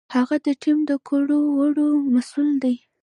هغه د ټیم د کړو وړو مسؤل دی.